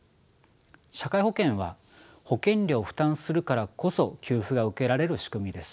社会保険は保険料を負担するからこそ給付が受けられる仕組みです。